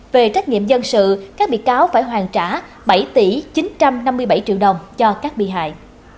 về trách nhiệm dân sự các bị cáo phải hoàn trả bảy tỷ chín trăm năm mươi bảy triệu đồng cho các bị hại